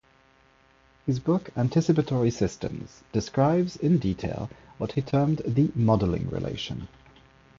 His book "Anticipatory Systems" describes, in detail, what he termed the "modeling relation".